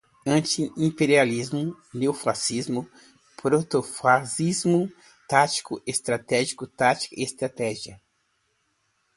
Anti-imperialistas, neofascismo, protofascismo, táticos e estratégicos, tática e estratégia